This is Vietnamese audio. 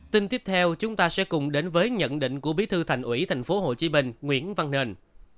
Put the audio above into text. tin tiếp theo chúng ta sẽ cùng đến với nhận định của bí thư thành ủy thành phố hồ chí minh nguyễn văn nền